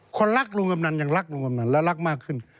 คนรักลุงกำนันยังรักลุงกำนันและรักมากขึ้น